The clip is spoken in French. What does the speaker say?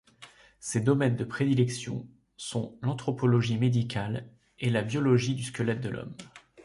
Ses domaines de prédilection sont l'anthropologie médicale et la biologie du squelette de l'homme.